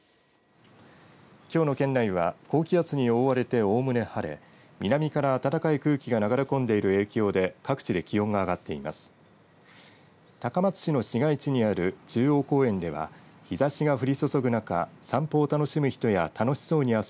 きょうの県内は高気圧に覆われておおむね晴れ南から暖かい空気が流れ込んでいる影響で各地で気温が上がっています。